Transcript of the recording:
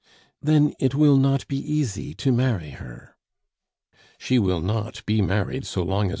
"Then it will not be easy to marry her?" "She will not be married so long as M.